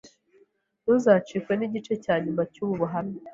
Ntuzacikwe n’igice cya nyuma cy’ubu buhamya